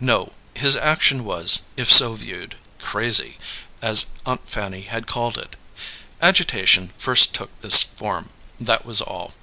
No; his action was, if so viewed, "crazy," as Aunt Fanny had called it. Agitation first took this form; that was all.